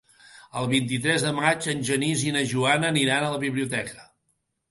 El vint-i-tres de maig en Genís i na Joana aniran a la biblioteca.